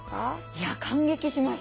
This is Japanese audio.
いや感激しました。